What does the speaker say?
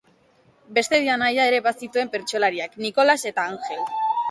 Beste bi anaia ere bazituen bertsolariak, Nikolas eta Anjel.